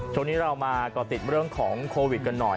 ช่วงนี้เรามาก่อติดเรื่องของโควิดกันหน่อย